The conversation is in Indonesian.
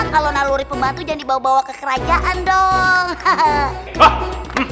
kalau naluri pembantu jangan dibawa bawa ke kerajaan dong